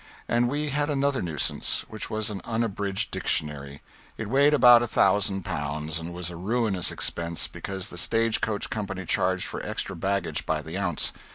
And we had another nuisance, which was an Unabridged Dictionary. It weighed about a thousand pounds, and was a ruinous expense, because the stage coach Company charged for extra baggage by the ounce.